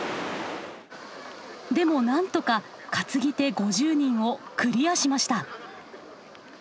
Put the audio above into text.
でもなんとか担ぎ手５０人をクリアしました。